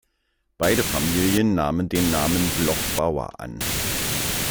Beide Familien nahmen den Namen Bloch-Bauer an.